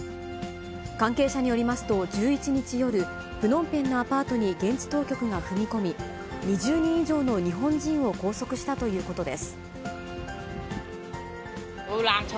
関係者によりますと、１１日夜、プノンペンのアパートに現地当局が踏み込み、２０人以上の日本人を拘束したということです。